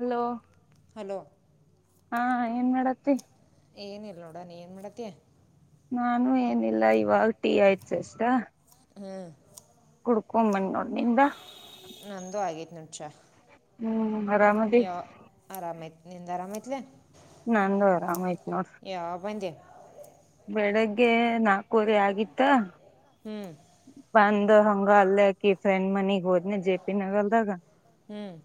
Hello hello ಹಾ ಏನ್ ಮಾಡತಿ ಏನಿಲ್ಲ ನೋಡ ನೀ ಏನ್ ಮಾಡತ್ತಿ ನಾನು ಏನಿಲ್ಲ ಇವಾಗ ಟೀ ಆಯ್ತು ಅಷ್ಟ ಹ್ಮ್ ಕುಡ್ಕೊಂಬನ್ ನೋಡ್ ನಿಂದ ನಂದು ಆಗೇತಿ ನೋ ಚಾ ಹ್ಮ್ ಆರಾಮ ಯ ಆರಾಮಯ ನಿಂದ ಆರಾಮ ಐಯತ್ಲಾ ನಂದುರಾಮ ಐಯ್ತ ನೋಡ್ರೀ ಯಾವಗ ಬಂದಿ ಬೆಳಗ್ಗೆ ನಾಲ್ಕವರೆ ಆಗಿತ್ತ ಹ್ಮ್ ಬಂದ್ ಹಂಗ ಅಲ್ಲೇ ಅಕಿ ಫ್ರೆಂಡ್ ಮನಿಗ್ ಹೋದ್ನ ಜೆ ಪಿ ನಗರದಾಗ ಹ್ಮ್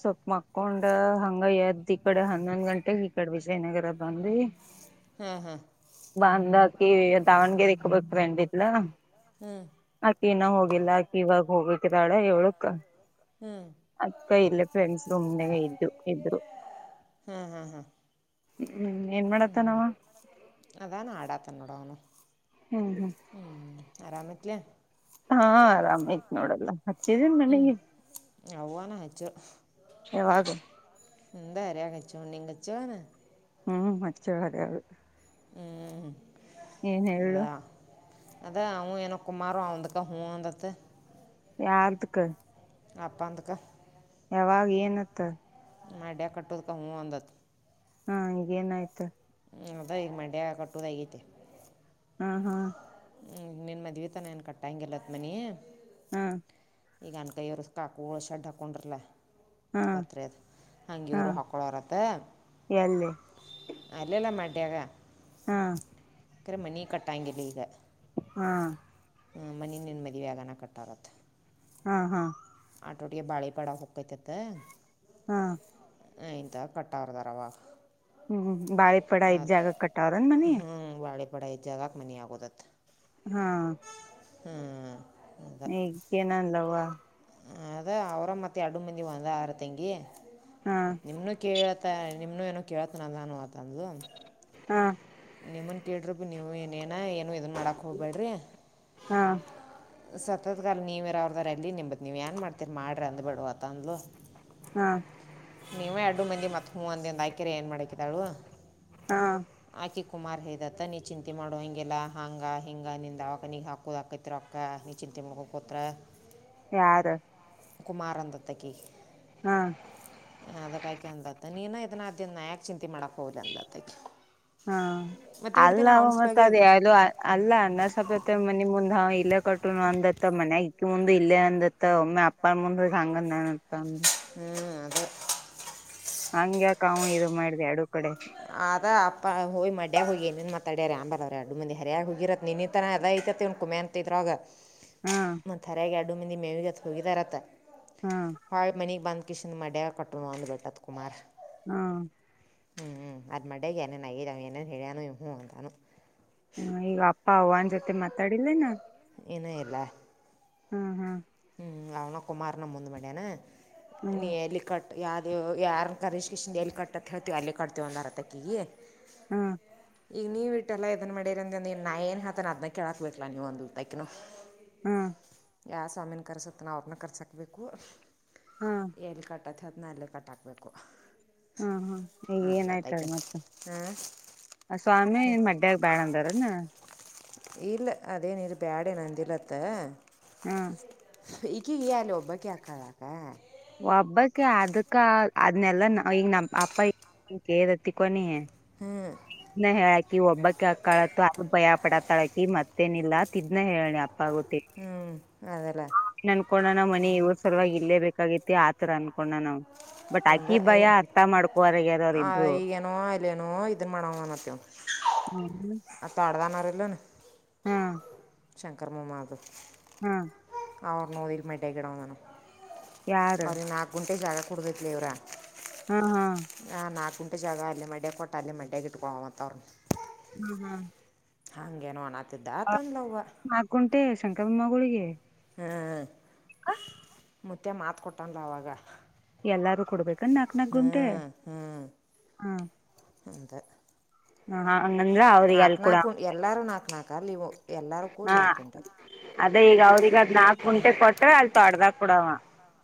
ಸೊಪ್ ಮಕ್ಕೊಂಡ ಹಂಗ ಎದ್ದ್ ಈ ಕಡೆ ಹನ್ನೊಂದ್ ಗಂಟೆಗೆ ಈ ಕಡೆ ವಿಜಯನಗರ ಬಂದಿ ಹಾ ಹಾ ಬಂದ ಆಕಿ ದಾವಣಗೆರೆಕಿ ಒಬ್ಬೆಕಿ ಫ್ರೆಂಡ್ ಇದ್ಲ ಹ್ಮ್ ಅಕ್ಕಿ ಇನ ಹೋಗಿಲ್ಲ ಅಕ್ಕಿ ಇವಾಗ ಹೋಗಕ್ಕೆ ದಾಳ ಏಳಕ್ ಹ್ಮ್ ಅದ್ಕ ಇಲ್ಲ ಫ್ರೆಂಡ್ಸ್ ರೂಮ್ನಾಗ ಇದ್ದು ಇದ್ರು ಹಾಂ ಹಾಂ ಹಾಂ ಹ್ಮ ಹ್ಮ್ ಏನ್ ಮಾಡತ್ತ ನಾವ ಅದಾನ ಆಡಾತನ್ನೋಡ ಅವನು ಹ್ಮ್ ಹ್ಮ್ ಹ್ಮ್ ಆರಾಮ ನುತ್ತಲೆ ಹಾ ಆರಾಮಾಯ್ತ್ ನೋಡ ಎಲ್ಲಾ ಹಚ್ಚಿದೀನ್ ಮನೆಗೆ ನ ಹಚ್ಚಿಳ ಯಾವಾಗ ಕಚೋ ನೀಂಗಚ ಹ್ಮ್ ಮಚ್ಚೆ ಅರದು ಏನ್ ಹೇಳು ಅದಾ ಅದ ಅವನು ನ ಕುಮಾರು ಅವದಕ್ಕ ಹೂ ಅಂತ ಯಾರದಕ್ಕ ಅಪ್ಪಾ ಅಂದಕ ಯಾವಾಗ ಏನತ್ತ ಮಡ್ಯ ಕಟ್ಟೋದಕ ಹೂ ಅಂದತ್ತು ಹಾ ಈಗೇನ್ ಆಯ್ತ ಅದ ಈಗ ಮಂಡ್ಯ ಕಟ್ಟೋದಗೈತೆ ಹ್ಮ ಹ್ಮ ಹ್ಮ್ ನಿನ್ ಮದ್ ತಾನ ಏನ್ ಕಟ್ಟಾಂಗಗೆಲ್ಲತ್ ಮನಿ ಹಾ ಈಗ ಅನ್ ಕೈಯ ಅವರು ಕಾಕುಳ್ ಶಡ್ ಹಾಕೊಂಡ್ರಲಾ ಹಾ ಪತ್ ಅದ ಹಂಗ ಹಾ ಇವರು ಹೊಕ್ಕಳೋರತ್ತೆ ಎಲ್ಲಿ ಅಲ್ಲಲ್ಲ ಮಟ್ಯಾಗ ಹಾ ಅಕ್ಕರೆ ಮನೆ ಕಟ್ಟಾಯಂಗಿಲ್ಲ ಈಗ ಹಾ ಹಾಂ ಮನ ನೆನು ಮದುವೆ ಆಗಾನ ಕಟ್ಟಾರತ್ತೆ ಹಾ ಹಾ ಆಟೋಟಿಗೆ ಬಾಳಿಪಡ ಹೋಗಕ್ಕತತ್ ಹಾ ಇಂತ ಕಟ್ಟರ್ದಾರವಾ ಹ್ಮ್ ಬಳೆ ಆ ಹ್ಞೂ ಬಾಳೆಪಡ ಜಾಗಕ್ಕೆ ಮನ ಆಗೋದತ್ ಹಾ ಹ್ಮ್ ಹಗ್ಗೇನ ಅಂದವವಾ ಅದ ಅವ್ರ ಮತ್ತೆ ಎರಡು ಮಂದಿ ಒಂದ ಆರು ತಂಗಿ ಹಾ ಮ ನಿಮ್ ಕೇೇಳತ ನಿಮ್ನು ಏನೋ ಕೇಳ್ತನಲ್ಲ ಅನೋ ಅತಂದು ಹಾ ನಿಮ್ಮನ್ ಕೇಳಿ ಬಿ ನೀವು ಏನೇನ ಏನು ಇದನ್ ಮಾಡಕ್ ಹೋಗ್ಬೇಡ್ರಿ ಹಾ ಹಾ ಸತತ್ಗಾಲ ನೀವು ಇರ ಅವ್ರದ್ದಾರ ಎಲ್ಲಿ ನಿಂಬದು ನೀವು ಏನು ಮಾಡ್ತೀರಿ ಮಾಡಿ ಅಂದ್ಬೇಡ ಅತಂದಲಲು ಹಾ ನೀವೇ ಎರಡು ಮಂದಿ ಮತ್ತತ್ ಹೂವಂದಿ ಒಂದು ಆಕೆರೆ ಏನ್ ಮಾಡಾಕಿದಾಳು ಹಾ ಆಕೆ ಕುಮಾರ್ ಹದತ್ತ ನೀ ಚಿಂತೆ ಮಾಡುವ ಹಿಗೆಲ್ಲ ಹಾಂಗ ಹಿಂಗ ನಿಂದ ದಾವಕನಿಗೆ ಹಾಕೋದಾಕತಿ ತ್ರಕ್ಕಾ ನಿಚಿನ ತ ತಿಮ್ಕ ಕೊತ್ರಾ ಯಾರು ಕುಮಾರಂದತ್ತಕ್ಕೆ ಹಾ ಹ ಅದಕ್ಕಾಕಿ ಅಂದತ್ತ ನೀನ ಇದನ್ನ ಆದನ್ ಯಾಕ ಚಿಂತೆ ಮಾಡಾಕ್ ಹೋಗ್ಲಿ ಅಂದತ್ತ ಹಾ ಅಲ್ಲವ ಮತ್ತ ಸಲುವಾಗೆ ಅದ ಇದನ್ನು ಯಾವ್ದ ಅಲ್ಲ ನನ್ನ ಸ್ವಪತ್ತ ಮನೆಮುಂದ್ ಇಲ್ಲೇ ಕಟ್ಟನು ಅಂದತ್ತ ಮನ್ಯ ಇಕ್ಕಿ ಮುಂದ ಇಲ್ಲೇ ಅಂದತ್ತ ಒಮ್ಮೆ ಅಪ್ಪ ಮಂದ ಭಾಂಗ ನತ್ತ ಹ್ಮ್ ಅದ ಹಂಗಗೆ ಕಾಮ ಇದು ಮಾಡಿದೆ ಅಡು ಕಡೆ ಅದ ಅಪ್ಪ ಹೋಗ ಮಡ್ಯಾಗ ಹೋಗಿ ಏನೇನು ಮಾತಾಡ್ಯಾರ ಆಂಬಲ ಅವ್ರೆ ಅಡು ಮಂದ ಹ್ಯ ಹೋಗಿರತ್ತೆ ನಿನ್ನಥರ ಎದ ಐತವ್ ಕುಮೆ ಅಂತ ತ್ತತ್ರ್ರಾಗ ಹಾ ಮ ಹರಗೆ ಅಡು ಮಂದಿ ಮೇವಿಗೆತ್ ಹೋಗಿದಾರತ್ತ ಹಾ ಹೊಾಳ ಮನಗ್ ಬಂದ ಕಿಷನ್ ಮಡ್ಯ ಕಟ್ಟುನು ಅಂದುಬ ಬಿಟ್ಟತ್ ಕುಮಾರ್ ಹಾ ಹ್ಮ್ ಹ್ಮ್ ಅದ್ ಮಡ್ಯಗೆ ಏೇನ್ ಏೇನು ಹೇಳ್ಯನು ಇೂ ಅಂತಾನು ಹ್ಮ ಈಗ ಅಪ್ಪ ಅವನ್ ಜೊತೆ ಮಾತಾಡಿಲ್ಲೇನಾ ಏನೇ ಇಲ್ಲ ಹ್ಮ್ ಹ್ಮ್ ಹ್ಮ್ ಅವನ ಕುಮಾರನ ಮುಂದ ಮಡಿಯಾನ ನೀ ಹ್ಮ್ ಹೆಲಿಕಾ ಯಾವ್ದ ಯಾರ ಕರೀ್ ಕಷನ್ ಎಲ್ಲಿ ಕಟ್ಟತ್ ಹೇಳ್ತೀವಿ ಅಲ್ಲಿೇ ಕಟ್ತೀವ ಅಂದರತಕ್ಕಿ ಹ್ಮ ಈಗ ನೀ್ ಇಟ್ಟೆಲ್ಲ ಇದದನ್ ಮಾಡಿರ ಅಂದಂದ ನಾ ಏನ್ ಹತನ್ ಅದ್ ಕೇಳಾಕ್ಬೇಕಕ್ಲಾ ನೀವ ಒಂದ್ ಉ ತೈಕ [inaudible] ಹ್ಮ ಯಾವ ಸ್ವಾಮಿನ ಕರ್ಸತ್ತೆ ನಾ ಅವ್ರನ್ನ ಕರ್ಸೋಕಬೇಕು ಹ್ಮ ಎಲ್ಲಿ ಕಟ್ಟತ್ತ ಅದನಲ್ಲೇ ಕಟ್ಾಕ್ಬೇಕು ಹಾ ಹ್ಮ ಈಗ ಏನ ಆಾಯ್ತದೆ ಮತ್ತೆ ಹಾಂ ಆ ಸ್ವಾಮಿ ಮಡ್ಯ ಬಾಣಂದರ ನ ಇಲ್ಲ ಅದೇನ ಇರಿ ಬ್ಯಾಡ ನಂದಿಲ್ಲತ್ತ ಹಾ ಇಗ ಈಲ ಒಬ್ಬಕ್ಕೆ ಆಕ್ಕಾದ ಕ ಒಬ್ಬಕ್ಕೆ ಅದಕ್ಕ ಅದನೆಲ್ಲಾ ನ ಈಗ ನಮ್ಮ ಅಪ್ಪ ರತಿ ಕೊನ ಹ್ಮ್ ನ ಹೇಳಕಿ ಒಬ್ಬಕ್ಕಳ ಅ ಭಯ ಪಡತಳಕಿ ಮತ್ತ ಗತ್ತೇನಿಲ್ಲ ತಿದ್ನ ಹೇಳಿ ಅಪ್ಪ ಗೊತ್ತೆ ಹ್ಞೂ ಅದಲ್ಲ ಅನ್ಕೋಣ ನಾವ್ ಮನಿ ಇವ್ರ ಸವಲ್ಾಗಿ ಇಲ್ಲೇ ಬೇಕಾಗಿೈತಿ ಆತರ ಅನ್ಕೋಣ ನಾವ್ ಬಟ್ ಅಂದ ಆಕಿ ಭಯ ಏನು ಅರ್ಥ ಮಾಡ್ಕೋರಗ್ಯಾರವರು್ರು ಈಗೇನೋ ಇಲ್ಲೇನೋ ಇದನ್ನ ಹ್ಮ್ ಅತ ಅಡದಾನ ಇಲ್ಲ ಹ್ಮ ಶಂಕರ್ಮೊಮಾದವ ಹ್ಮ ಅವ್ರ ನೋದರ್ ಮೇಟ ಗಿಡಾನ ಯಾರ ಅವ್ರ ನಾಲ್ಕ ಗುಂಟೆ ಜಾಗ ಕೊಡಬೇಕಲ ಇವರಾ ಹಾ ಹಾ ಹಾ ನಾಕಂೆ ಜಾಗ ಅಲ್ಲಿ ಮಡ್ಯ ಕೊಟ್ಟ ಅಲ್ಲಿ ಮಡ್ಯಗೆ ಇಟ್ುಕೊ ಮತ ಅವ್ರರು ಹ್ಮ್ ಹ್ಮ್ ಹಂಗೇನುೋ ಅಣತಿದ್ದ ಆತಂದವವ ಹಾಕಂಟೆ ಶಂಕರ ಬೊಮ್ಮಗಳಿಗೆ ಹ್ಮ್ ಹ ಮುತ್ತೆ ಮಾತ್ ಕೊಟ್ಟನ್ ಅವಾಗ ಎಲ್ಲಾರು ಕೊಡ್ಬೇಕ ನಾಕ್ ನಾಕ್ ಹ್ಞೂ ಗುಂಟೆ ಹ್ಞೂ ಹಾ ಅಂತ ಹ ಹಂಗಂದ್ರ ಅವ್ರಿಗೆ ಅಲ್ ನಾಲ್ಕು ಕೂಡ ನಾಲ್ಕು ಉಂಡು ಎಲ್ಲರೂ ನಾಲ್ಕು ನಾಲ್ಕು ಅಲ್ಲಿ ಇವು ಎಲ್ಲರೂ ಕೂಡಿ ಹಾ ನಾಲ್ಕು ಉಂಡೆ ಅದ ಈಗ ಅವ್ರಗ ಅದ್ ನಾಲ್ಕ ಗಂಟೆ ಕೊಟ್ರ ಅಲ್ ತೊಡ್ದಾಗ ಕುಡವ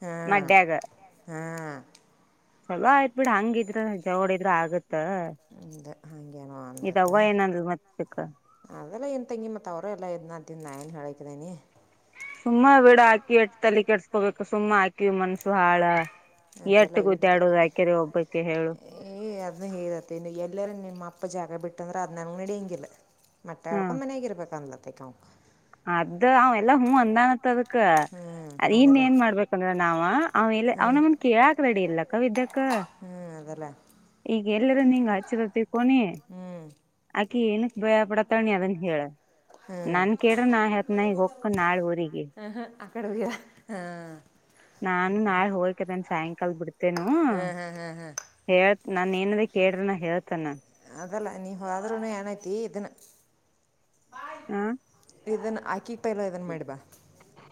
ಹಾಂ ಮಡ್ಯಾಗ ಹಾಂ ಚಲೋ ಆಯ್ತ್ ಬಿಡ ಹಂಗಿದ್ರ ಜವಡ ಇದ್ರ ಆಗತ್ತ ಅಂದೆ ಹಾಗೇನೋ ಇದ ಅಂದತ್ತ ಅವ್ವ ಏನಂದ ಮತ್ತಕ್ಕ ಅದೆಲ್ಲ ಏನ್ ತಂಗಿ ಮತ್ ಅವರು ಎಲ್ಲ ಇದ್ನ್ ನಾ ನ್ ಹೇಳಕಿದ್ದೇನಿ ಸುಮ್ಮ ವಿಡ ಹಾಕಿ ಎಟ್ಟ ತಲ್ಲಿ ಕೆಡಸ್ಕೋಬೇಕು ಸುಮ್ಮ್ ಹಾಕಿ ಕಿವ ಮನ್ಸು ಹಾಳ ಅದೆಲ್ಲ ಎಟ್ಟು ಗೂತ ಇಟ್ದೆ ಆಡುದು ಯಾಕರಿ ಒಬ್ಬಕ್ಕೆ ಹೇಳು ಏ ಅದನ್ನು ಹೇತ್ತತಿ ಇ ನೀ ಎಲ್ಲರ ನಿಮ್ಮ ಅಪ್ಪ ಜಾಗ ಬಿಟ್ಟಂದ್ರೆ ಅದು ನನಗೆ ನಡಿ ಹಂಗಿಲ್ಲ ಮಟ್ಟೆ ಹ್ಮ ಆಡ್ಕೊಂಡು ಮನಯಾಗಿ ಇರ್ಬೇಕ ಅನ್ಲತ್ತಕ್ಕಾವು ಅದು ಅವ ಎಲ್ಲಾ ಹ [inaudible] ಅಂದಾನತ್ ಅಕ್ಕ ಹ್ಞೂ ಇನ್ ಅದೆಲ್ಲ ಏನ್ ಮಾಡ್ಬೇಕಂದ್ರ ನಾವ ಅವಲ್ಲ ಹ್ಞೂ ಅವ್ನಮ್ಮನ್ ಕೇಳಾಕ್ ರೆಡಿ ಇಲ್ಲಕ್ಕವಿದ್ದಕ್ಕ ಹ ಅದಲ್ಲ ಈಗ ಎಲ್ಲರೂ ನೀಂಗ ಹಚ್ಚಿರೋ ತಿಕೊಂಡಿ ಹ್ಞೂ ಆಕಿ ಏನ ಭಯಪಡತಣಿ ಅದನ್ ಹೇಳ ನನ್ ಕೆಡ ನ ಹತ್ನ ಒಕ್ಕ ನಾಳ ಹರಿಗೆ ಆ ಕಡೆ ಹೋಗಿಲ್ಲ ಹಾಂ ನಾನು ನಾಳ ಹೋಗಕ ಬನ್ ಸಾಯಂಕಾಲದ ಬಿಡ್ತೇನು ಹಾ ಹಾ ಹಾ ಹಾ ಹೇಳ್ತ ನನ್ ಏನದ ಕೇಳ್ರನ ಹೇಳ್ತ ನಾನನ್ ಅದಲ್ಲ ನೀವು ಹ್ರೂ ಏನಾಯತಿ ಇದನ್ನು ಹಾ ಇದನ್ನ ಹಾಕಿ ಪೈಲ ಇದನ್ ಮಾಡಿ ಬಾ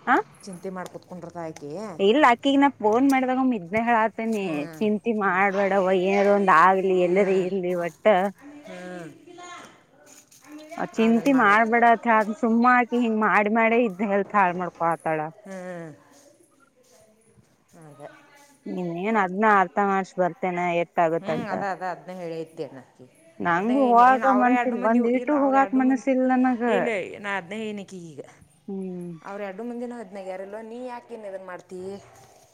ಹ ಚಿಂತೆ ಮಾಡಿ ಕುೂತ್ಕೊಂಡ್ರತ ಹಾಕಿ ಇಲ್ಲ ಆಕಗ ನ ಫೋನ್ ಮಾಡಿದಾಗ ಇದ್ನೆ ತಾನ ಹ್ಮ್ ಚಿಂತಿ ಮಾಡ್ಬೇಡವ ಏನಾರ ಒಂದ ಆಗ್ಲಿ ಎಲ್ಲರ ಇರ್ಲಿ ಒಟ್ಟ ಹ್ಮ್ ಚಿಂತಿ ಮಾಡ್ಬೇಡತ್ರ ಅ ಸಿಮ್ಮಾಕಿ ಹಿಂಗ್ ಮಾಡಿ ಮಾಡೇ ಇದ್ದಿದ್ ಹೇಳುತ್ತಾಳೆ ಮಾಡ್ಕೊ ಆತಾಳ ಹ್ಮಞ ಹ್ಮ ಹದು ಇನ್ ಏನ್ ಅದ್ನ್ನ ಅರ್ಥ ಮಾಡ್ಸ ಬರ್ತೇನೆ ಎತ್ತ ಹ್ಞೂ ಆಗುತ್ತಲ್ಲ ಅದ ಅದ ಅದ್ನ್ ಹೇಳಿಐತೆನ ಅದ ನಂಗು ನ್ ಹೋಗಾಕ ಅವ್ರ ಎರಡು ಮನ್ಸಿಲ್ ಮಂದಿ ಒಂದ್ ಇಲ್ಲ ಇಟು ಅವ್ರ ಹೋಗಾಕ್ ಎರಡು ಮಂದಿ ಮನಸ್ಸಿಲ್ ನನಗ ಇಲ್ಲಾ ನಾ ಅದನ್ನೇ ಹೇಳಿನಿ ಕಗ ಹ್ಮ್ ಅವರು ಎರಡು ಮುಂದಿನೂ ಅದ್ನಾಗ್ಯಾರಲ್ಲವ ನೀ ಯಾಕೆನು ಇದನ್ನು ಮಾಡ್ತೀ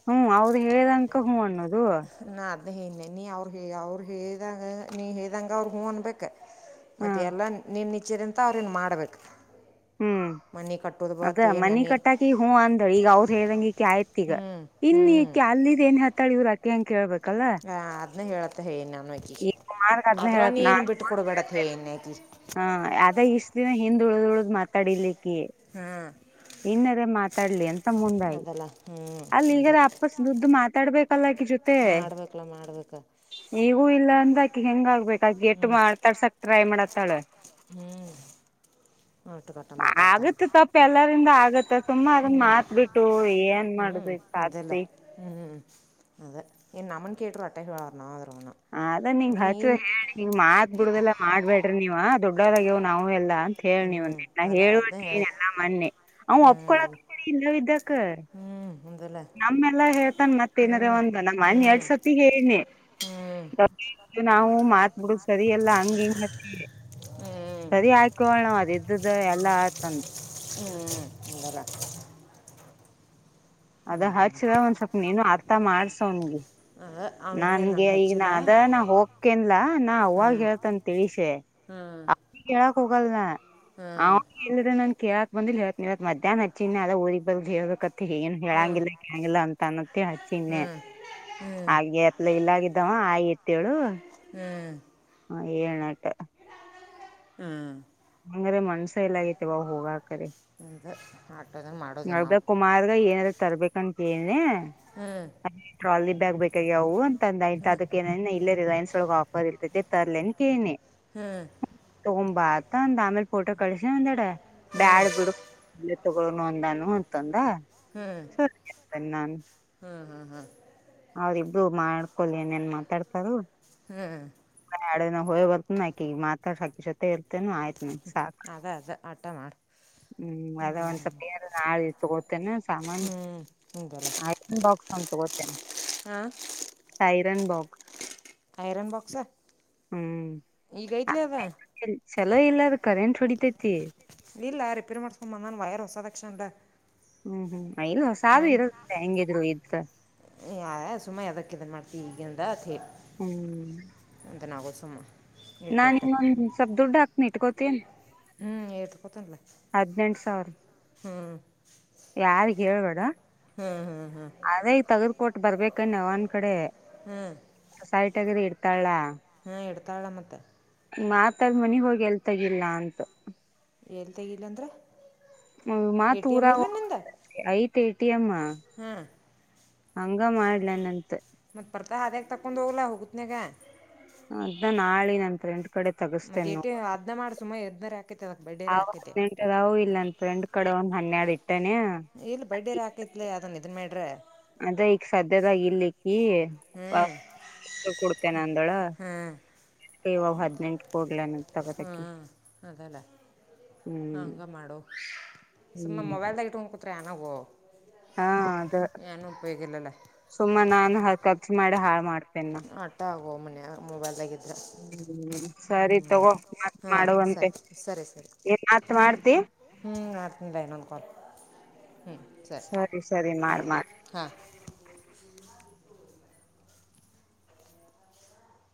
ಹ್ಞೂ ಅವೌದು ಹೇಳಂಕ ಹೂಞ ಅನ್ನೋದು ನಾ ಅದ್ ಹನೆ ನೀ ಅವ್ರು ಹೇ ಅವ್ರು ಹೇಳದಂಗ ನೀ ಹೇಳ್ದಂ ಅವ್ರರು ಹೂ ಅನ್ಬೇಕ ಹ ಮತ್ತೆ ಎಲ್ಲ ನಿಮ್ಮ ನಿಚ್ಚರಿಂತ ಅವ್ರೇನು ಮಾಡ್ಬೇಕು ಹ್ಮ್ ಮನೆ ಕಟ್ಟೋದು ಬತ್ ಅದ ಏನು ಮನಿ ಅನಿ ಕಟ್ಟಾಕಿ ಹೂ ಅಂದ ಈಗ ಅವ್ದ್ ಹೇಳ್ದಂಗಿಕ ಆಯ್ತ್ ಈಗ ಹ್ಞೂ ಹ್ಞೂ ಇನ್ನು ಈಕೆ ಅಲ್ಲಿದ್ದ ಏನ್ ಹತ್ತಾಳ ಇವ್ ಅಕ ಅಂ ಕೇಬೇಕು ಹ ಅದ್ನ್ನ ಹೇಳತ್ತ ಹೇಳೇನ್ ನಾನ ಕಿ ಈಗ ಕುಮಾರ್ಗ ಅದ್ನ ಆದದ್ ನೀನ್ ಬಿಟ್ಟ ಕೊಡ್ಬೇಡತ್ತ ಹೇನ್ಕಿ ಹಾ ಆದ ಇಷ್ಟ ದಿನ ಹಿಂದ್ ಉಳ್ದ್ ಉಳ್ದ್ ಮಾತಾಡಿರ್ಲಿಕ್ಕೆ ಹಾ ಇನ್ನರ ಮಾತಾಡ್ಲಿ ಅಂತ ಮುಂಡಾಗಿ ಅದಲ್ಲ ಹ್ಞೂ ಅಲ್ಲಿ ಅದ ಈಗದ ಅಪ್ಪಸ್ ದುಡ್್ದ ಮಾತಾಡ್ಬೇಕಲ್ಲಕ ಜೊತೆ ಮಾಡ್ಬೇಕಲ್ಲ ನೀಗೂ ಇಲ್ಲ ಆಕಿ ಹೆಂಗ ಆಗ್ಬೇಕ ಆಕಿ ಎಟ್ಟು ಮಾತಾಡ್ಸಕ್ ಟ್ರೈ ಮಾಡತ್ತಾಳ ಮಾಡ ಟ್ಟು ಕಟ್ಟ ಮಾತಾಡ್ತಾವಂತ ಆಗತ್ ತಪ್ಪ ಎಲ್ಲರಿಂದ ಆಗತ್ತ ಸುಮ್ಮ ಅದನ್ ಹ್ಮ ಮಾತ್ ಬಿಟ್ಟು ಏನ್ ಹ್ಮ್ ಮಾಡುದು ಇಲ್ಲ ಸಾಧಿಸಿ ಹ್ಞ ಹ್ಞ ಅದದೆ ನು ಅಮ್ಮನ ಕೇರು ಅಟೈ್ ವರ್ಣ ಅದ್ರಣ ಅದ ನಿಂಗ್ ಹಚ್ಚಿದ ಹೇಳಿ ನೀ್ ಮಾತ್ ಬಿಡ್ದಲ್ಲಾ ಮಾಡ್ಬೇಡ್ರಿ ನೀವ್ ದೊಡ್ಡವದಾಗ್ಯವ್ ನಾವು ಎಲ್ಲಾ ಂತ ಹೇಳಿ ನೀ ಹ್ಞೂ ಒಂದೆಲ್ಲ ಅದ ಅದನ್ನ ಹೇಳುವಂತ ಏನ್ ಹೇಳಿ ಎಲ್ಲಾ ಮೊನ್ನೆ ಅವ್ ಒಪ್ಕೊಳಕ್ ಇಲ್ಲವಿದ್ದಕ ಹ್ಮಞ ನಮ್ಮ್ೆಲ್ಲಾ ಹೇಳ್ತಾನ ಮತ್ತೇಏನಾರ ಒಂದ ನಮ್ಮ ಹ್ಞೂ ಮನ್ ಎರಡ್ ಸರ್ತಿ ಹೇಳನಿ ಹ್ಞೂ ನಾವು ಮಾತ್ ಬಿಿಡ ಸರಿಯಲ್ಲಾ ಹಂಗ ಹಂಗ ಮತ್ತ ಹ್ಞೂ ಸರಿ ಆಾಕಳ ನವು ಅದ ಇದ್ದ್ದ ಎಲ್ಲ ತಂದು ಹ್ಮ್ಲ್ಲ ಅದ ಹಚ್ಚಿದ ಒಂದ್ ಸ್ವಲ್ಪ ನೀನು ಅರ್ಥ ಮಾಡ್ಸವ್ನಿಗೆ ಅವಿನ ಏನು ನಂಗೆ ನನ್ಗೆ ಈಗ ನ ಹಚ್ಚಿಲ್ಲ ಅದ ನಾ ಹೋಗ ಕೇನ್ಲಾ ನಾ ಅವಾಗ ಹ್ಞೂ ಹೇಳ್ತನ್ ತಿಳಿಸೆ ಹ್ಞೂ ಹೇಳಕ್ ಹೋಗಲ್ನಾ ಹ್ಞೂ ಅವ ಇಲ್್ರೆ ನನ್ ಕೇಳಾಕ್ ಬಂದಿಿಲ್ಲ ಇವತ್ ಮಧ್ಯಾಹ್ನ ಹಚ್ಚಿಣೆ ಅದ ಊರಿಗೆ ಬಬರ್ಗ್ ಹ ಹೇಳಬೇಕತ್ತ ಏನ್ ಹ್ಞೂ ಹೇಳಂಗಿಲ್ಲ ಕೇಳಂಗಿಲ್ಲ ಅಂತ ಅನ್ತ್ತಿ ಹಚ್ಚಿಣೆ ಹಾಗೆ ಅತ್ಲ ಇಲ್ಲಾಗಿದ್ದವ ಆತ್ತೇಳು ಏನಟ ಹ್ಮ್ ಹಂಗ್ರೆ ಮನ್ಸ ಎಲ್ಲ ಆೈತೆ ಬ ಹೋಗಾಕರಿ ಹಂತ ಆಾಟೋದ ಮಾಡ ನಬಡ ಕುಮಾರ್ಗ ಏನಾರ ತರ್ಬೇಕಂತಿ ಹ್ಞೂ ಟ್ರಾಲಿ ಬ್ಯಾಗ್ ಬೇಕಾಗಿ ಅವು ಅಂತಂದ ಆಯ ಅದಕ್ಕೆ ಏನ ಇಲ್ಲರಿಗನ್ಸೊಳಗೆ ಆಪದ ಇರ್ತತಿತ್ತರ್ಲೇನ್ ಕೇಳನಿ ಹ್ಮ್ ತಗೊಂಬಾ ಅತ ಒಂದ ಆಮೇಲ್ ಫೋಟೋ ಕಳಸ ಒಂದೆಡೆ ಬ್ಯಾಡ್ ಬಿಡು ತ ಒಂದಾನ ಅಂತೊಂದ ಹ್ಮ್ ಹ್ಮ್ ಹಾ್ ಹಾ ಅವ್ರಿಬ್ರು ಮಾಡ್ಕೊಲ್ ಏನೇನ್ ಮಾತಾಡ್ತಾರ ಹ್ಞೂ ಅಡ ಹೊ ಬರ್ತು ನಿ ಮಾಥಾ ಶಾಕಿ ಶತೆ ತನು ಆಯತ ನ ಸಾಕ ಅದ ಅದ ಆಟ ಮಾಡು ಹ್ಮ್ ಅದ ಒಂದ್ ಸ್ವಲ್ಪ ನೀರು ನಾಳ ತಗೋತೇನೆ ಸಾಮಾನ್ ಹ್ಞೂ ಆ ಬಾಕ್ಸ್ ಚ ಗೊತ್ತೇನೆ ಹಾ ಸೈರನ್ ಬಾಕ್ಸ್ ಆಯರನ್ ಬಾಕ್ಸ ಹ್ಮ್ ಈ ಗ ಇತ್ಲಿ ಅದ ಚಲೋ ಇಲ್ಲ ಅ್ರ ಕರೆಂಟ್ ಹೊಡಿತೈತಿ. ಇಲ್ಲ ರಿಪೇರ್ ಮಾಡ್ಕೊಂಡು ಬಂದಾನನ್ ವೈರ್ ಹೊಸಾದಕ್ಷಣಲ್ಲ. ಹ್ಮ್ ಹ್ಮ್ ಇಲ್ ಹೊಸದು ಇರದ ಹೆಂಗಿದ್ರು ಇದ್ ಸುಮ್ಮಾ ಅದಕ್ಕಿಂತ ಮಾಡ್ತೀವಿ ಈಗಿಂದತ್ೇ. ಹ್ಮ್ ಒಂದ ಕುಸುಮ ನಾನ್ ಇನ್ನೊಂದ್ ಸ್ವಲ್ಪ ದುಡ್ಡು ಹಾಕ್ನಿಟ್ಕೋತೀನಿ. ಹದ್ನೆಂಟ [unintelligible] ಯಾರಿಗೆ ಹೇಳ್ಬೇಡ ಹ್ಮ್ ಹ್ಮ್ ಅದೇ ಈಗ ತಗದಕ ಕೊಟ್ಟ ಬರ್ಬೇಕಣ. ಅವ್ವ ನ್ ಕಡೆ ಹ್ಮ್ ಸೈಟ್ ಆಗ್ರ ಇಡ್ತಾಳಾ. ಹಾ ಇಡತಾಳ ಮತ್ತ್. ಮಾತಾದ ಮನೆ ಹೋಗಿ ಎಲ್ತಗಿಲ್ಲ ಅಂತಾ ಎಲ್ಲಿ ತೆಗಿಲ್ಲ ಅಂದ್ರೆ ಎ ಮಾತ್ ಟಿ ಎಮ್ ಊರಾಗ ಇಲ್ಲ ನಿಮ್ದೆ ಐತ್ ಎ ಟಿ ಮ್ ಹಂಗ ಮಾಡ್ಲನ್ಂತ ಮತ್ತತ್ ಬರ್ತಾ ಅದ್ಯಾಗ ತಕೊಂಡು ಹೋಗಲ್ಲ ಹೋಗುತ್ನಯಾಗ ಅದಾ ನಾಳೆ ನಂತರ ಎಂ ಮತ್ತೆ ಟ ಅದನ ಮಾಡಿ ಸುಮಾ ಎದ್ನಾರಾಕೈತೆ ಅದಕ್ ಬಡೇರಿ ಹಾಕೈತೆ ನಾವು ಇಲ್ಲ ಅಂದಫ್ರಂಡ್ ಕಡೆ ಒಂದ್ ಹನ್ನೆರಡು ಇಟ್ಟೇನೆ ಇಲ್ ಬಡ್ಡೇರ ಕೈತ್ ಅದನ್ ಇದನ್ ಮೇಡ್ರೆ ಅದ ಈಗ ಸದ್ಯದಾಗ ಹ್ಞೂ ಇರ್ಲಿಕ್ಕ ಕೊಡ್ತೇನೆ ಅಂದೋಳ ಹಾಂ ಕವ ಹದ್ನೆಂಟು ಕೊಡ್ಲಾನ ತಗೋತಕಿ ಅದೇಲ್ಲೇ ಹಾ ಹ್ಮ್ ಹಂಗ ಮಾಡು ಸುಮ್ಮ ಹ್ಮ್ ಮೊಬೈಲ್ದಾಗ ಇಟ್ಕೊಂಡ್ಕೊತ್ ಆನವು ಹಾ ಅದ ಸುಮ್ಮ ನಾನು ಕರ್ಚಿ ಮಾಡಿ ಹಾಳ ಮಾಡ ಆಟ ಆಗೋ ಮನ್ಯಾಗ ಮೊಬೈಲ್ದಾಗಿದ್ರೆ ಹ್ಮ ಸರಿ ಹ್ಞೂ ತಗೋ ಹಾಂ ಮಾಡುವಂತೆ ಸರಿ ಏನ್ ಮಾತ್ ಮಾಡ್ತಿ ಹ್ಮ ಮಾಡಡ್ತಿಲ್ಲ ಇನೊಂದು ಕೊಲ್ ಹ್ಮ್ ಸರಿ ಸರಿ ಮಾಡ್ ಹ್ಮ್ ಮಾಡ್ ಹಾ